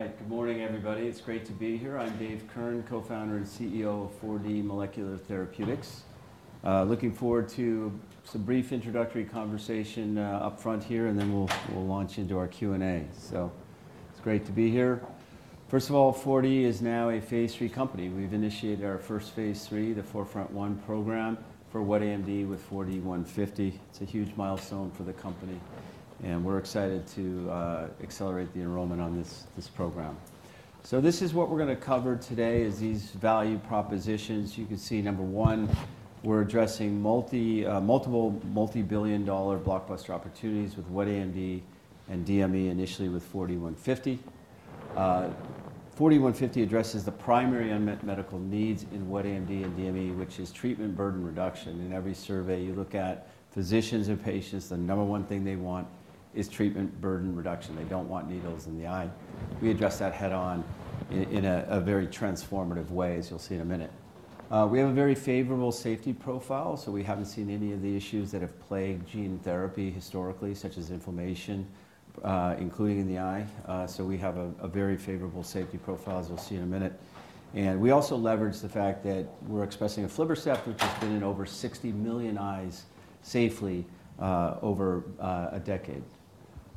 Good morning, everybody. It's great to be here. I'm Dave Kirn, co-founder and CEO of 4D Molecular Therapeutics. Looking forward to some brief introductory conversation up front here, and then we'll launch into our Q&A. It's great to be here. First of all, 4D is now a hase 3 company. We've initiated our first Phase 3, the 4FRONT-1 program, for wet AMD with 4D-150. It's a huge milestone for the company, and we're excited to accelerate the enrollment on this program. This is what we're going to cover today: these value propositions. You can see, number one, we're addressing multiple multi-billion dollar blockbuster opportunities with wet AMD and DME, initially with 4D-150. 4D-150 addresses the primary unmet medical needs in wet AMD and DME, which is treatment burden reduction. In every survey you look at, physicians and patients, the number one thing they want is treatment burden reduction. They do not want needles in the eye. We address that head-on in a very transformative way, as you will see in a minute. We have a very favorable safety profile, so we have not seen any of the issues that have plagued gene therapy historically, such as inflammation, including in the eye. We have a very favorable safety profile, as you will see in a minute. We also leverage the fact that we are expressing aflibercept, which has been in over 60 million eyes safely over a decade.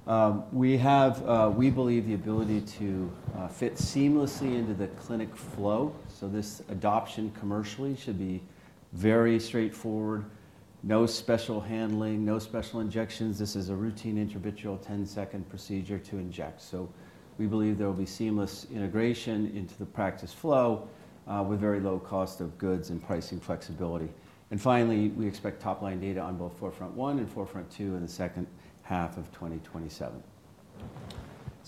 We believe the ability to fit seamlessly into the clinic flow, so this adoption commercially should be very straightforward. No special handling, no special injections. This is a routine intravitreal 10-second procedure to inject. We believe there will be seamless integration into the practice flow with very low cost of goods and pricing flexibility. Finally, we expect top-line data on both 4FRONT-1 and 4FRONT-2 in the second half of 2027.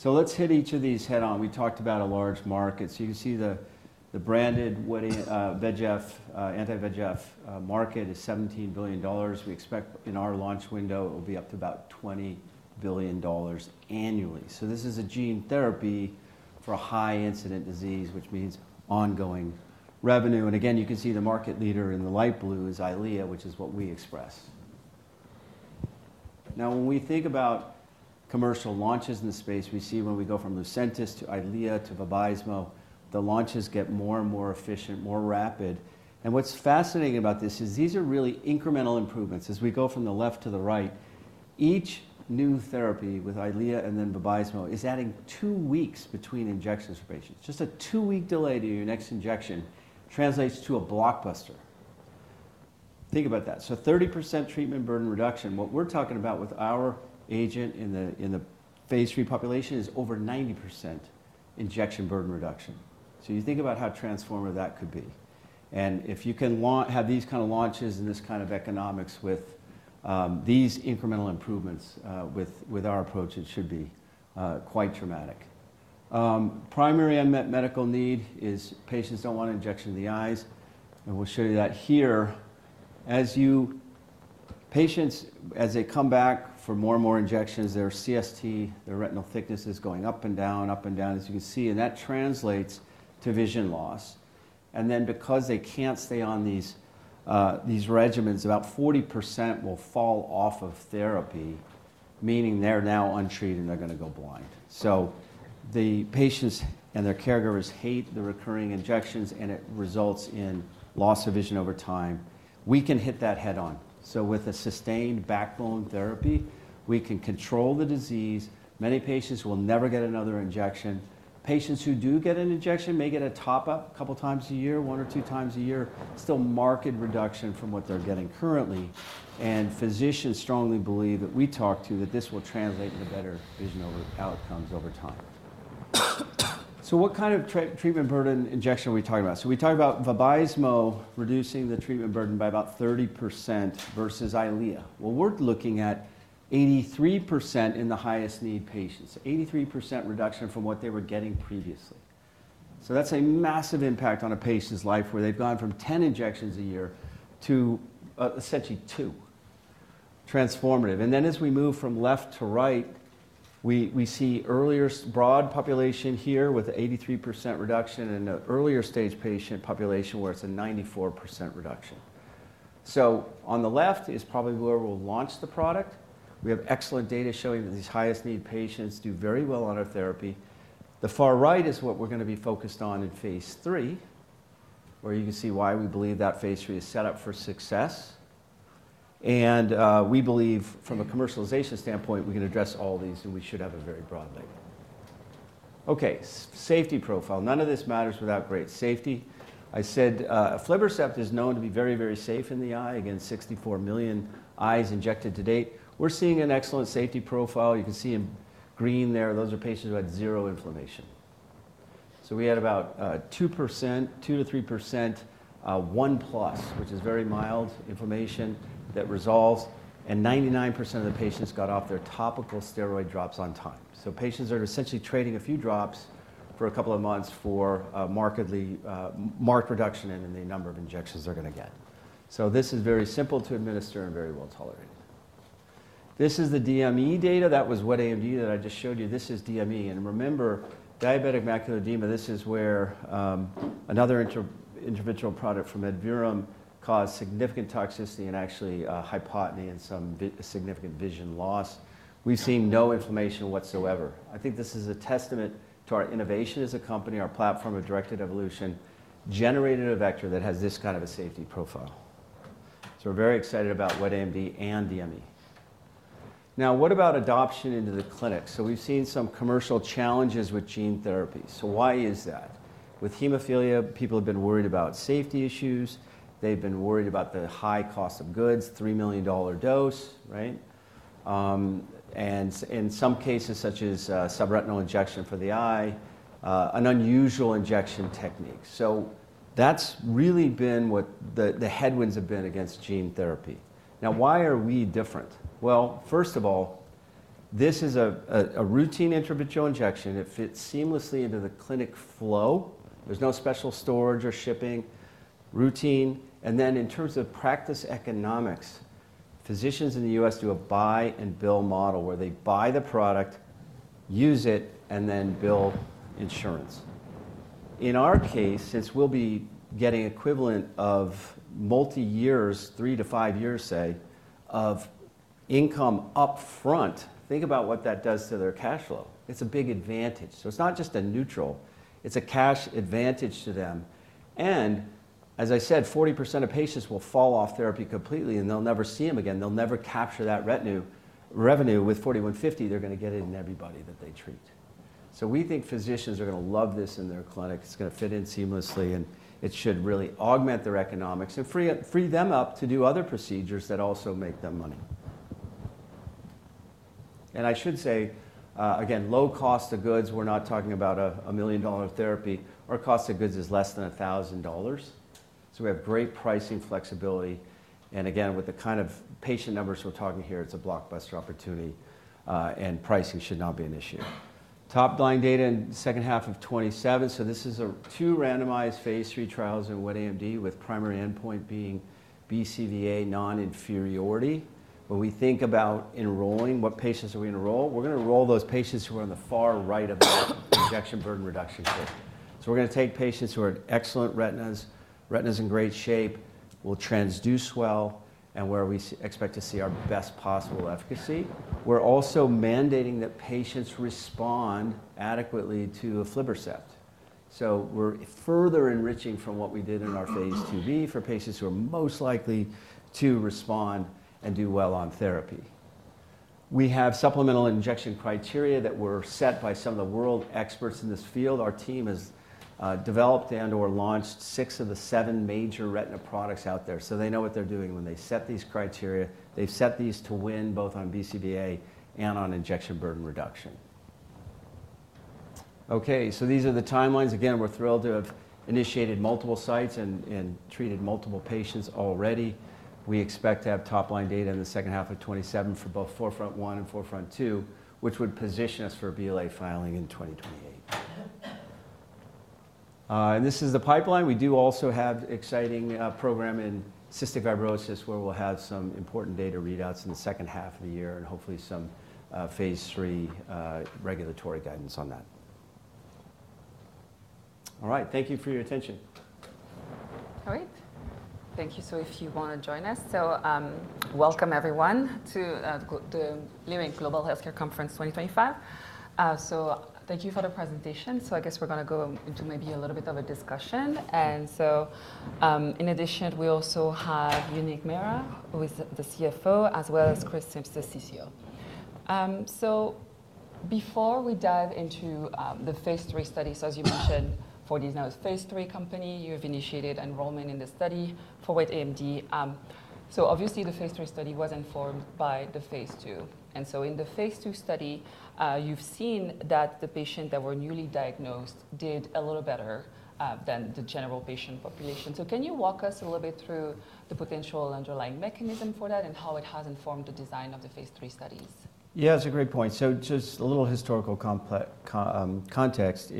Let's hit each of these head-on. We talked about a large market. You can see the branded anti-VEGF market is $17 billion. We expect in our launch window it will be up to about $20 billion annually. This is a gene therapy for a high-incidence disease, which means ongoing revenue. Again, you can see the market leader in the light blue is Eylea, which is what we express. Now, when we think about commercial launches in the space, we see when we go from Lucentis to Eylea to Vabysmo, the launches get more and more efficient, more rapid. What's fascinating about this is these are really incremental improvements. As we go from the left to the right, each new therapy with Eylea and then Vabysmo is adding two weeks between injections for patients. Just a two-week delay to your next injection translates to a blockbuster. Think about that. Thirty percent treatment burden reduction. What we're talking about with our agent in the phase 3 population is over 90% injection burden reduction. You think about how transformative that could be. If you can have these kind of launches and this kind of economics with these incremental improvements with our approach, it should be quite dramatic. Primary unmet medical need is patients don't want an injection in the eyes. We'll show you that here. As patients, as they come back for more and more injections, their CST, their retinal thickness is going up and down, up and down, as you can see. That translates to vision loss. Because they can't stay on these regimens, about 40% will fall off of therapy, meaning they're now untreated and they're going to go blind. The patients and their caregivers hate the recurring injections, and it results in loss of vision over time. We can hit that head-on. With a sustained backbone therapy, we can control the disease. Many patients will never get another injection. Patients who do get an injection may get a top-up a couple of times a year, one or two times a year, still marked reduction from what they're getting currently. Physicians strongly believe that we talk to that this will translate into better vision outcomes over time. What kind of treatment burden injection are we talking about? We talk about Vabysmo reducing the treatment burden by about 30% versus Eylea. We are looking at 83% in the highest-need patients, an 83% reduction from what they were getting previously. That is a massive impact on a patient's life, where they have gone from 10 injections a year to essentially two—transformative. As we move from left to right, we see an earlier, broad population here with an 83% reduction and an earlier-stage patient population where it is a 94% reduction. On the left is probably where we will launch the product. We have excellent data showing that these highest-need patients do very well on our therapy. The far right is what we are going to be focused on in phase 3, where you can see why we believe that phase 3 is set up for success. We believe from a commercialization standpoint, we can address all these, and we should have a very broad label. Okay, safety profile. None of this matters without great safety. I said aflibercept is known to be very, very safe in the eye. Again, 64 million eyes injected to date. We're seeing an excellent safety profile. You can see in green there, those are patients who had zero inflammation. We had about 2%–3% one-plus, which is very mild inflammation that resolves. And 99% of the patients got off their topical steroid drops on time. Patients are essentially trading a few drops for a couple of months for a markedly reduced number of injections they're going to get. This is very simple to administer and very well tolerated. This is the DME data. That was Wet AMD that I just showed you. This is DME. And remember, diabetic macular edema—this is where another interventional product from Adverum caused significant toxicity and actually hypotony and some significant vision loss. We've seen no inflammation whatsoever. I think this is a testament to our innovation as a company. Our platform of directed evolution generated a vector that has this kind of safety profile. We are very excited about Wet AMD and DME. Now, what about adoption into the clinic? We have seen some commercial challenges with gene therapy. Why is that? With hemophilia, people have been worried about safety issues. They've been worried about the high cost of goods—a $3 million dose, right? In some cases, such as subretinal injection for the eye, an unusual injection technique. That has really been what the headwinds have been against gene therapy. Now, why are we different? First of all, this is a routine intravitreal injection. It fits seamlessly into the clinic flow. There is no special storage or shipping. Routine. In terms of practice economics, physicians in the US use a buy-and-bill model where they buy the product, use it, and then bill insurance. In our case, since we will be getting the equivalent of multi-years—three to five years—of income upfront, think about what that does to their cash flow. It is a big advantage. It is not just neutral; it is a cash advantage to them. As I said, 40% of patients will fall off therapy completely, and they will never see them again. They will never capture that revenue. With 4D-150, they are going to get it in everybody that they treat. We think physicians are going to love this in their clinic. It's going to fit in seamlessly, and it should really augment their economics and free them up to do other procedures that also generate revenue. I should say, again, low cost of goods. We're not talking about a million-dollar therapy. Our cost of goods is less than $1,000. We have great pricing flexibility. Again, with the kind of patient numbers we're discussing, it's a blockbuster opportunity, and pricing should not be an issue. Top-down data is expected in the second half of 2027. This involves two randomized phase 3 trials in wet AMD with the primary endpoint being BCVA non-inferiority. When we think about enrolling, we will enroll those patients who are on the far right of the injection burden reduction curve. We're going to take patients who have excellent retinas—retinas in great shape, expected to transduce well, and where we anticipate our best possible efficacy. We're also mandating that patients respond adequately to aflibercept. This further enriches the population compared to what we did in our Phase 2b, targeting patients most likely to respond and do well on therapy. We have supplemental injection criteria set by some of the world’s leading experts in this field. Our team has developed and/or launched six of the seven major retina products currently available. They know what they're doing when setting these criteria, aiming to succeed both on BCVA and injection burden reduction. These are the timelines. Again, we're thrilled to have initiated multiple sites and treated multiple patients already. We expect to have top-line data in the second half of 2027 for both Forefront One and Forefront Two, which would position us for a BLA filing in 2028. This is the pipeline. We also have an exciting program in cystic fibrosis, where we anticipate important data readouts in the second half of the year and, hopefully, some phase 3 regulatory guidance. All right, thank you for your attention. All right. Thank you. If you want to join us, welcome everyone to the Leerink Global Healthcare Conference 2025. Thank you for the presentation. I guess we're going to go into maybe a little bit of a discussion. In addition, we also have Uneek Mehra who is the CFO, as well as Chris Simms, the CCO. Before we dive into the phase 3 study, as you mentioned, 4D is now a phase 3 company. You have initiated enrollment in the study for wet AMD. Obviously, the phase 3 study was informed by the phase 2. In the phase 2 study, you've seen that the patient that were newly diagnosed did a little better than the general patient population. Can you walk us a little bit through the potential underlying mechanism for that and how it has informed the design of the phase 3 studies? That's a great point. Just a little historical context: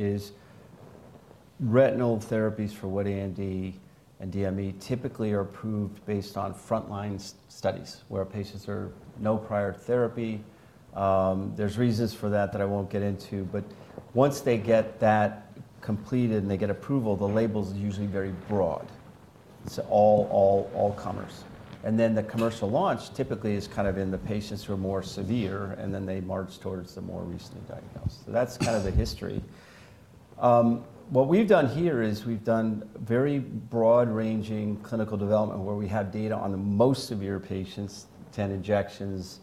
retinal therapies for wet AMD and DME are typically approved based on frontline studies where patients have no prior therapy. Once those studies are completed and approval is granted, the label is usually very broad—covering all comers. The commercial launch typically starts with more severe patients, and then moves toward the more recently diagnosed. That's kind of the history. What we've done is conduct very broad-ranging clinical development. We have data on the most severe patients—those who had 10 injections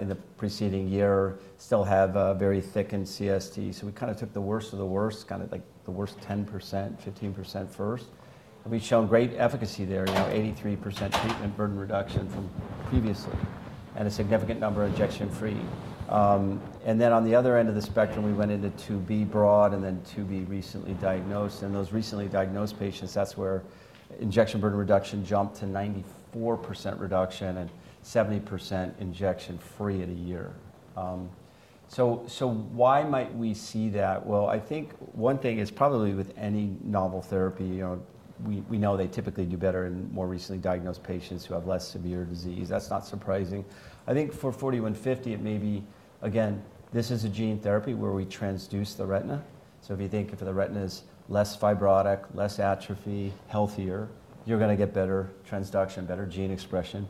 in the preceding year and still had very thickened CST. Essentially, we started with the worst 10%–15% first We have shown great efficacy there, 83% treatment burden reduction from previously and a significant number of injection-free. On the other end of the spectrum, we went into 2B broad and then 2B recently diagnosed. Those recently diagnosed patients, that's where injection burden reduction jumped to 94% reduction and 70% injection-free in a year. Why might we see that? I think one thing is probably with any novel therapy, we know they typically do better in more recently diagnosed patients who have less severe disease. That is not surprising. I think for 4D-150, it may be, again, this is a gene therapy where we transduce the retina. If you think if the retina is less fibrotic, less atrophy, healthier, you are going to get better transduction, better gene expression,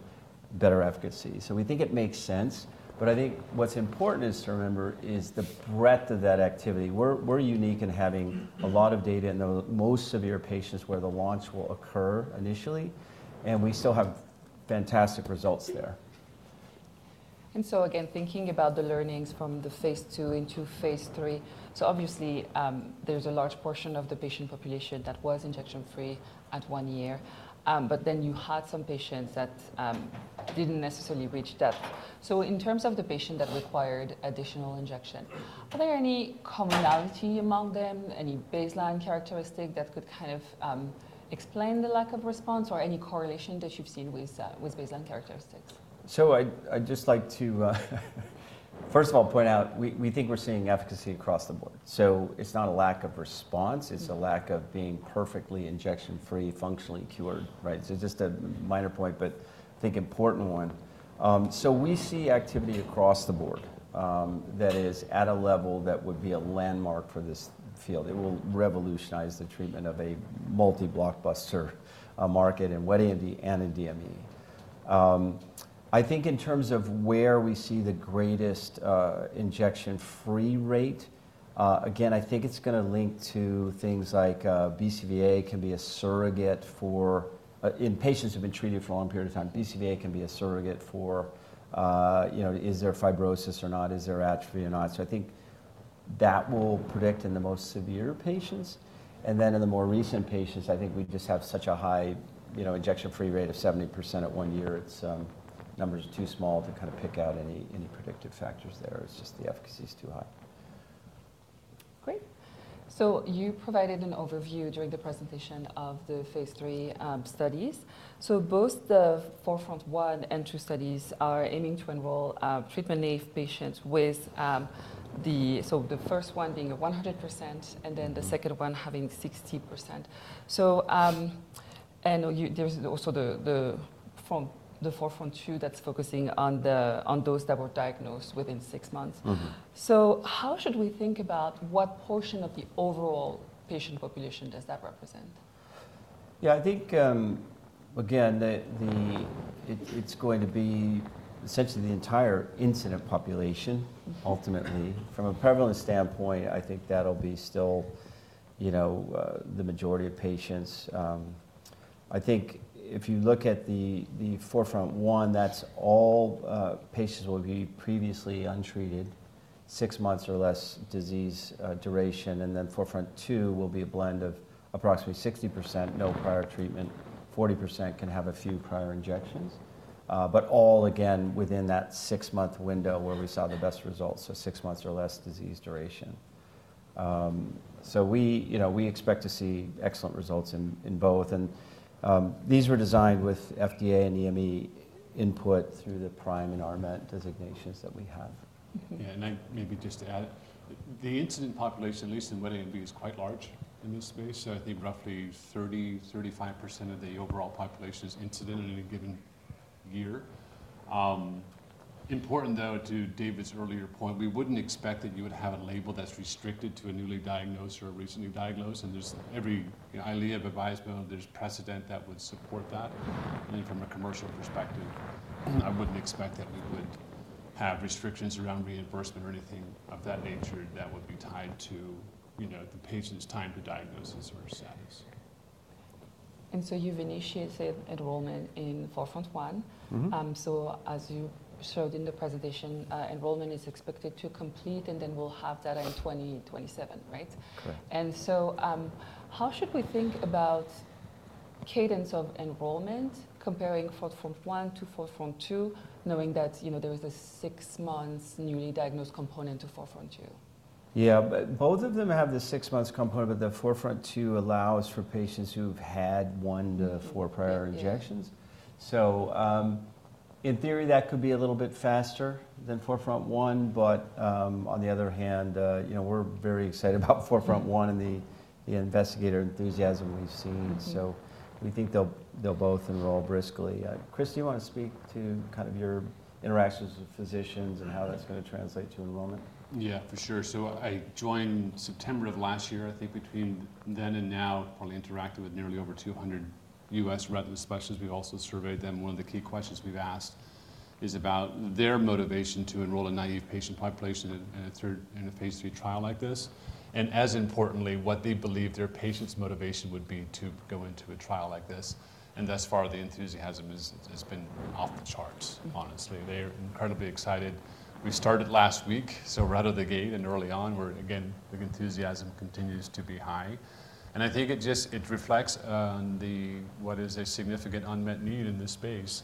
better efficacy. We think it makes sense. I think what's important is to remember is the breadth of that activity. We're unique in having a lot of data in the most severe patients where the launch will occur initially, and we still have fantastic results there. Again, thinking about the learnings from phase 2 into phase 3, there was a large portion of the patient population that was injection-free at one year, but some patients did not reach that outcome. Regarding the patients who required additional injections, are there any commonalities among them, any baseline characteristics that could explain the lack of response, or any correlations you have observed with baseline characteristics? I’d like to first point out that we are seeing efficacy across the board. It is not a lack of response, but rather a lack of being perfectly injection-free or functionally cured. This is a minor point, but an important one. We observe activity across all patients at a level that could be considered a landmark for this field. It has the potential to revolutionize treatment in a multi-blockbuster market, including wet AMD and DME. In terms of where we see the greatest injection-free rate, this appears linked to factors such as BCVA. For patients who have been treated for a long period, BCVA can serve as a surrogate indicator for the presence of fibrosis or atrophy, which in turn may help predict outcomes in the most severe patients. In the more recent patients, I think we just have such a high injection-free rate of 70% at one year. The numbers are too small to kind of pick out any predictive factors there. It's just the efficacy is too high. Great. You provided an overview during the presentation of the phase 3 studies. Both the Forefront One and Two studies are aiming to enroll treatment-naive patients, with the first one being 100% and the second one having 60%. I know there is also the Forefront Two that is focusing on those diagnosed within six months. How should we think about what portion of the overall patient population that represents? Yeah, I think, again, it's going to be essentially the entire incident population ultimately. From a prevalence standpoint, I think that will still be the majority of patients. If you look at Forefront One, all patients will be previously untreated, with six months or less disease duration. Forefront Two will be a blend of approximately 60% no prior treatment and 40% who can have a few prior injections, but all within that six-month window where we saw the best results. We expect to see excellent results in both. These studies were designed with FDA and EMA input through the PRIME and RMET designations that we have. Yeah, and maybe just to add, the incident population, at least in wet AMD, is quite large in this space. I think roughly 30-35% of the overall population is incident in any given year. Important though, to David's earlier point, we would not expect that you would have a label that is restricted to a newly diagnosed or a recently diagnosed. There is every, I believe, Vabysmo, there is precedent that would support that. From a commercial perspective, I would not expect that we would have restrictions around reimbursement or anything of that nature that would be tied to the patient's time to diagnosis or status. You've initiated enrollment in Forefront One. As you showed in the presentation, enrollment is expected to complete, and then we'll have that in 2027, right? Correct. How should we think about cadence of enrollment comparing Forefront One to Forefront Two, knowing that there is a six-months newly diagnosed component to Forefront Two? Yeah, both of them have the six-months component, but the Forefront Two allows for patients who've had one to four prior injections. In theory, that could be a little bit faster than Forefront One, but we are very excited about Forefront One and the investigator enthusiasm we've seen. We think they'll both enroll briskly. Chris, do you want to speak to kind of your interactions with physicians and how that's going to translate to enrollment? Yeah, for sure. I joined September of last year. I think between then and now, probably interacted with nearly over 200 US retina specialists. We've also surveyed them. One of the key questions we've asked is about their motivation to enroll a naive patient population in a phase 3 trial like this. As importantly, what they believe their patient's motivation would be to go into a trial like this. Thus far, the enthusiasm has been off the charts, honestly. They're incredibly excited. We started last week, so right out of the gate and early on, where again, the enthusiasm continues to be high. I think it just reflects on what is a significant unmet need in this space.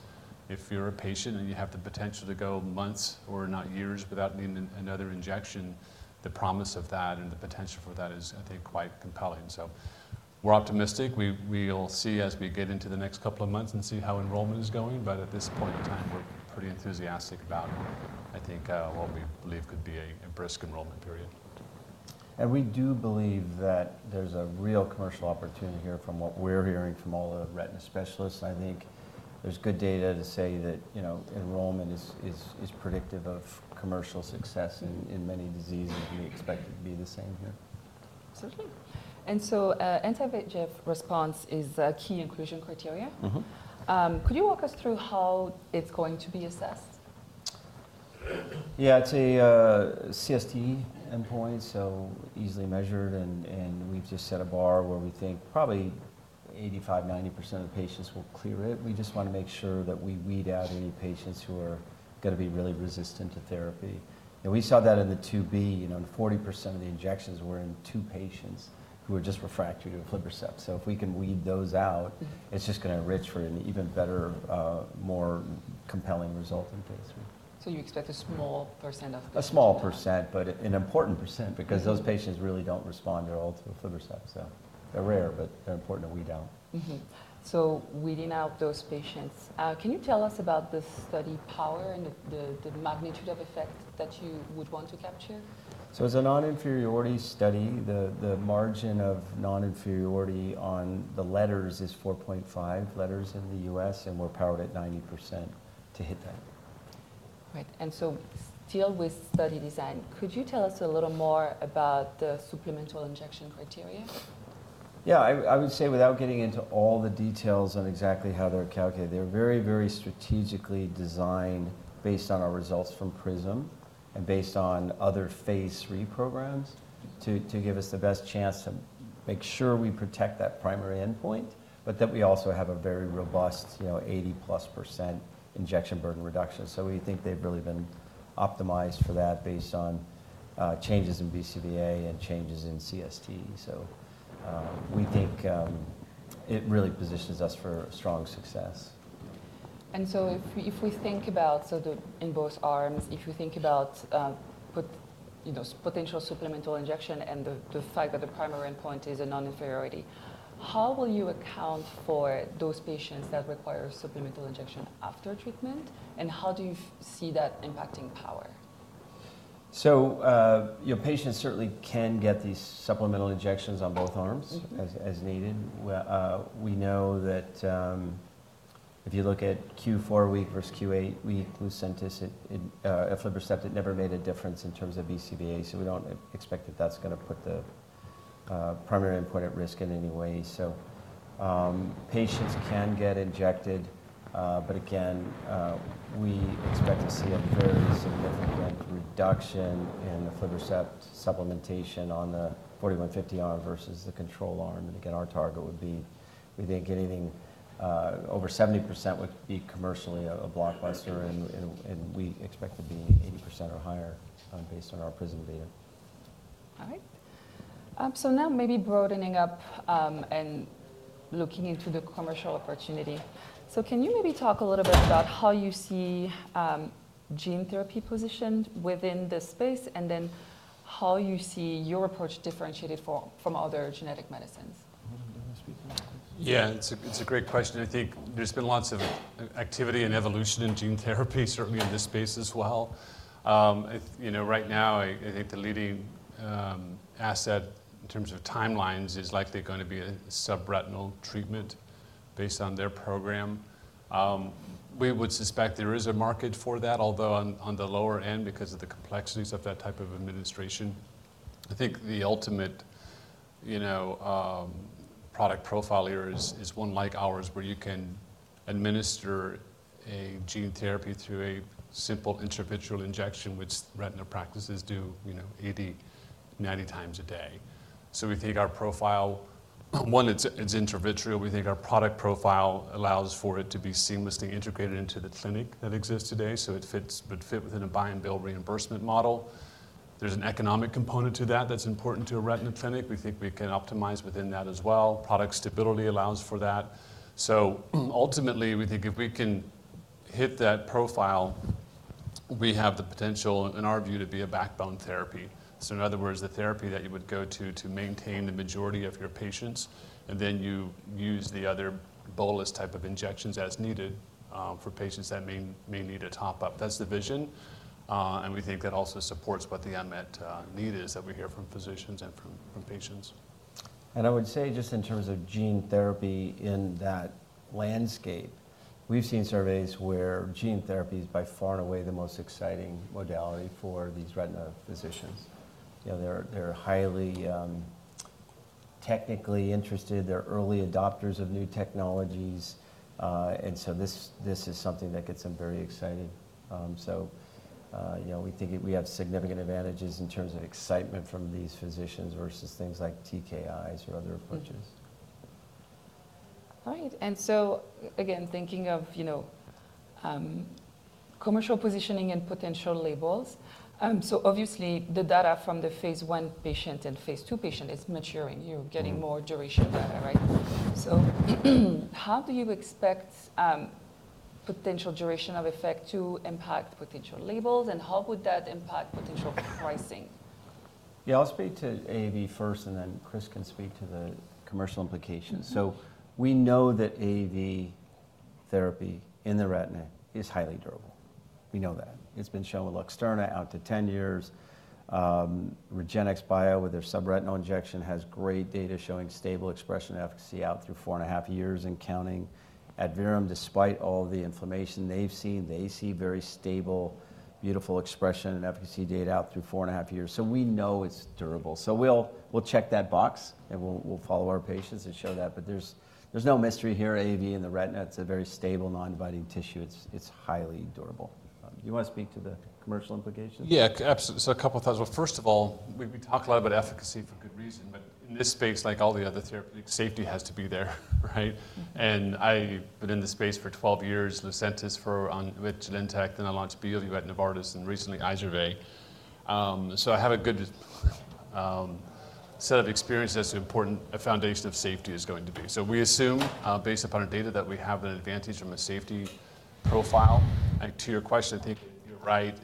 If you're a patient and you have the potential to go months or not years without needing another injection, the promise of that and the potential for that is, I think, quite compelling. We are optimistic. We'll see as we get into the next couple of months and see how enrollment is going. At this point in time, we're pretty enthusiastic about, I think, what we believe could be a brisk enrollment period. We do believe that there's a real commercial opportunity here from what we're hearing from all the retina specialists. I think there's good data to say that enrollment is predictive of commercial success in many diseases, and we expect it to be the same here. Certainly. Anti-VEGF response is a key inclusion criteria. Could you walk us through how it's going to be assessed? Yeah, it's a CST endpoint, so easily measured. We've just set a bar where we think probably 85%-90% of the patients will clear it. We just want to make sure that we weed out any patients who are going to be really resistant to therapy. We saw that in the 2B. 40% of the injections were in two patients who were just refractory to aflibercept. If we can weed those out, it's just going to enrich for an even better, more compelling result in phase 3. You expect a small percent of. A small %, but an important % because those patients really don't respond at all to aflibercept. They're rare, but they're important to weed out. Weeding out those patients, can you tell us about the study power and the magnitude of effect that you would want to capture? It's a non-inferiority study. The margin of non-inferiority on the letters is 4.5 letters in the U.S., and we're powered at 90% to hit that. Right. Still with study design, could you tell us a little more about the supplemental injection criteria? Yeah, I would say without getting into all the details on exactly how they're calculated, they're very, very strategically designed based on our results from PRISM and based on other phase 3 programs to give us the best chance to make sure we protect that primary endpoint, but that we also have a very robust 80+% injection burden reduction. We think they've really been optimized for that based on changes in BCVA and changes in CST. We think it really positions us for strong success. If we think about, in both arms, if you think about potential supplemental injection and the fact that the primary endpoint is a non-inferiority, how will you account for those patients that require supplemental injection after treatment? How do you see that impacting power? Patients certainly can get these supplemental injections on both arms as needed. We know that if you look at Q4 week versus Q8 week, Lucentis and Eylea, it never made a difference in terms of BCVA. We do not expect that is going to put the primary endpoint at risk in any way. Patients can get injected, but again, we expect to see a very significant reduction in the Eylea supplementation on the 4D-150 arm versus the control arm. Our target would be, we think anything over 70% would be commercially a blockbuster, and we expect to be 80% or higher based on our PRISM data. All right. Now maybe broadening up and looking into the commercial opportunity. Can you maybe talk a little bit about how you see gene therapy positioned within this space and then how you see your approach differentiated from other genetic medicines? Yeah, it's a great question. I think there's been lots of activity and evolution in gene therapy, certainly in this space as well. Right now, I think the leading asset in terms of timelines is likely going to be a subretinal treatment based on their program. We would suspect there is a market for that, although on the lower end because of the complexities of that type of administration. I think the ultimate product profile here is one like ours where you can administer a gene therapy through a simple intravitreal injection, which retina practices do 80-90 times a day. We think our profile, one, it's intravitreal. We think our product profile allows for it to be seamlessly integrated into the clinic that exists today. It would fit within a buy-and-bill reimbursement model. There's an economic component to that that's important to a retina clinic. We think we can optimize within that as well. Product stability allows for that. Ultimately, we think if we can hit that profile, we have the potential, in our view, to be a backbone therapy. In other words, the therapy that you would go to to maintain the majority of your patients, and then you use the other bolus type of injections as needed for patients that may need a top-up. That is the vision. We think that also supports what the unmet need is that we hear from physicians and from patients. I would say just in terms of gene therapy in that landscape, we've seen surveys where gene therapy is by far and away the most exciting modality for these retina physicians. They're highly technically interested. They're early adopters of new technologies. This is something that gets them very excited. We think we have significant advantages in terms of excitement from these physicians versus things like TKIs or other approaches. All right. Again, thinking of commercial positioning and potential labels. Obviously, the data from the phase 1 patient and phase 2 patient is maturing. You're getting more duration data, right? How do you expect potential duration of effect to impact potential labels, and how would that impact potential pricing? Yeah, I'll speak to AAV first, and then Chris can speak to the commercial implications. We know that AAV therapy in the retina is highly durable. We know that. It's been shown with Luxturna out to 10 years. Regenxbio, with their subretinal injection, has great data showing stable expression efficacy out through four and a half years and counting. Adverum, despite all the inflammation they've seen, they see very stable, beautiful expression and efficacy data out through four and a half years. We know it's durable. We'll check that box, and we'll follow our patients and show that. There's no mystery here. AAV in the retina, it's a very stable, non-inviting tissue. It's highly durable. Do you want to speak to the commercial implications? Yeah, absolutely. A couple of thoughts. First of all, we talk a lot about efficacy for good reason, but in this space, like all the other therapies, safety has to be there, right? I have been in the space for 12 years, Lucentis with Genentech, then I launched Vabysmo at Novartis, and recently Eylea. I have a good set of experiences as to what a foundation of safety is going to be. We assume, based upon our data, that we have an advantage from a safety profile. To your question, I think you're right.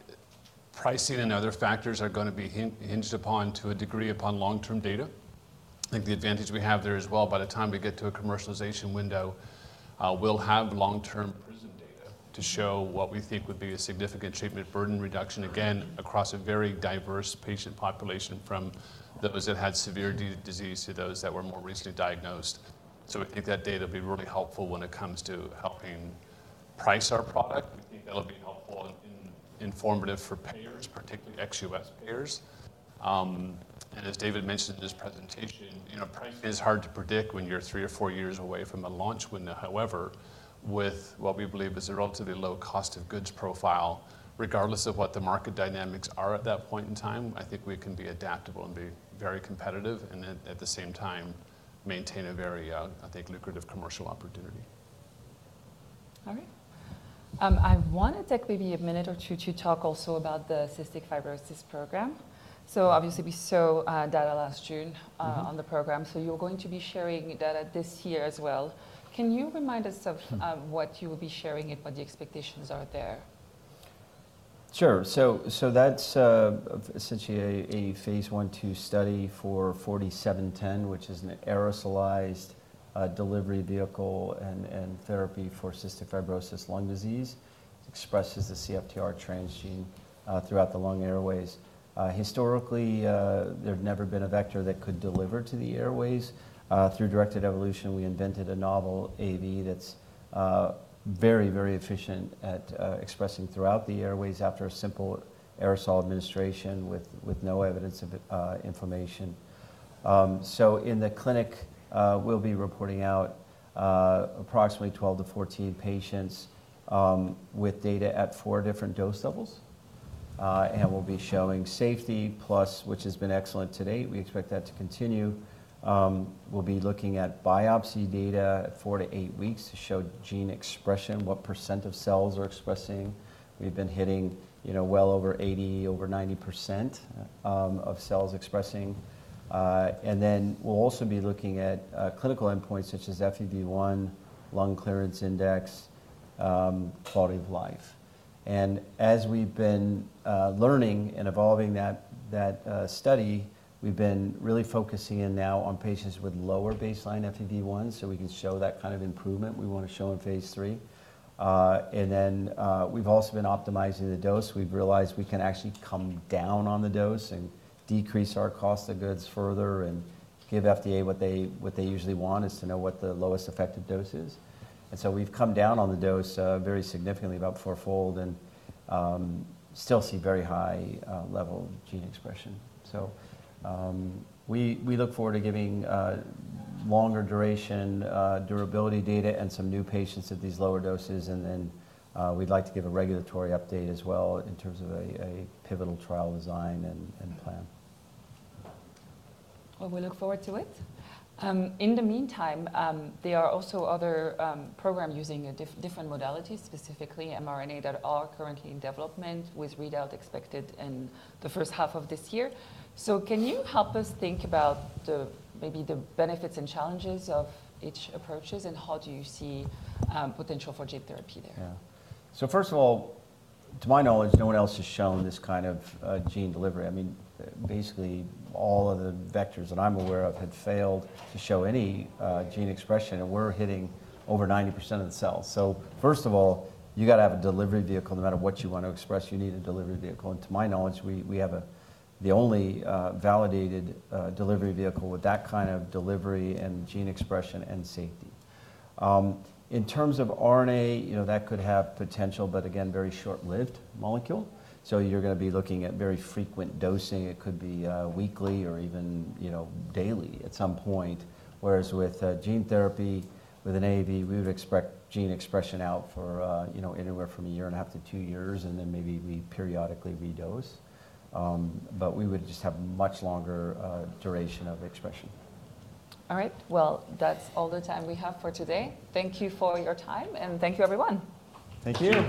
Pricing and other factors are going to be hinged upon to a degree upon long-term data. I think the advantage we have there as well, by the time we get to a commercialization window, we'll have long-term PRISM data to show what we think would be a significant treatment burden reduction, again, across a very diverse patient population, from those that had severe disease to those that were more recently diagnosed. We think that data will be really helpful when it comes to helping price our product. We think that'll be helpful and informative for payers, particularly ex-U.S. payers. As David mentioned in his presentation, pricing is hard to predict when you're three or four years away from a launch window. However, with what we believe is a relatively low cost of goods profile, regardless of what the market dynamics are at that point in time, I think we can be adaptable and be very competitive, and at the same time, maintain a very, I think, lucrative commercial opportunity. All right. I want to take maybe a minute or two to talk also about the Cystic Fibrosis Program. Obviously, we saw data last June on the program. You are going to be sharing data this year as well. Can you remind us of what you will be sharing and what the expectations are there? Sure. That's essentially a Phase 1/2 study for 4D-710, which is an aerosolized delivery vehicle and therapy for cystic fibrosis lung disease. It expresses the CFTR transgene throughout the lung airways. Historically, there had never been a vector that could deliver to the airways. Through directed evolution, we invented a novel AAV that's very, very efficient at expressing throughout the airways after a simple aerosol administration with no evidence of inflammation. In the clinic, we'll be reporting out approximately 12-14 patients with data at four different dose levels. We'll be showing safety profile, which has been excellent to date. We expect that to continue. We'll be looking at biopsy data at four to eight weeks to show gene expression, what percent of cells are expressing. We've been hitting well over 80%, over 90% of cells expressing. We will also be looking at clinical endpoints such as FEV1, lung clearance index, quality of life. As we have been learning and evolving that study, we have been really focusing now on patients with lower baseline FEV1, so we can show that kind of improvement we want to show in phase 3. We have also been optimizing the dose. We have realized we can actually come down on the dose and decrease our cost of goods further and give FDA what they usually want, which is to know what the lowest effective dose is. We have come down on the dose very significantly, about four-fold, and still see very high-level gene expression. We look forward to giving longer duration durability data and some new patients at these lower doses. We'd like to give a regulatory update as well in terms of a pivotal trial design and plan. We look forward to it. In the meantime, there are also other programs using different modalities, specifically mRNA that are currently in development with readout expected in the first half of this year. Can you help us think about maybe the benefits and challenges of each approaches, and how do you see potential for gene therapy there? Yeah. First of all, to my knowledge, no one else has shown this kind of gene delivery. I mean, basically, all of the vectors that I'm aware of had failed to show any gene expression, and we're hitting over 90% of the cells. First of all, you got to have a delivery vehicle no matter what you want to express. You need a delivery vehicle. To my knowledge, we have the only validated delivery vehicle with that kind of delivery and gene expression and safety. In terms of RNA, that could have potential, but again, very short-lived molecule. You're going to be looking at very frequent dosing. It could be weekly or even daily at some point. Whereas with gene therapy with an AAV, we would expect gene expression out for anywhere from a year and a half to two years, and then maybe we periodically re-dose. We would just have much longer duration of expression. All right. That is all the time we have for today. Thank you for your time, and thank you, everyone. Thank you.